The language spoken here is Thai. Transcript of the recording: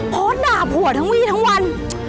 โพสต์ด่าผัวทั้งวีทั้งวัน